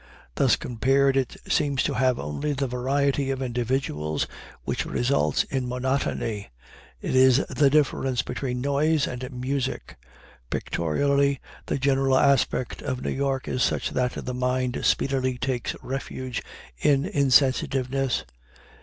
Thus compared, it seems to have only the variety of individuals which results in monotony. It is the difference between noise and music. Pictorially, the general aspect of New York is such that the mind speedily takes refuge in insensitiveness.